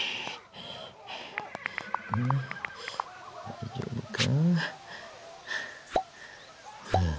大丈夫か？